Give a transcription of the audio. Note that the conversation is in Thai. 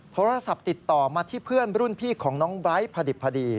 โทรศัพท์ติดต่อมาที่เพื่อนรุ่นพี่ของน้องไบท์พอดิบพอดี